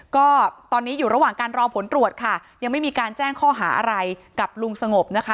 ก็ตอนนี้อยู่ระหว่างการรอผลตรวจค่ะยังไม่มีการแจ้งข้อหาอะไรกับลุงสงบนะคะ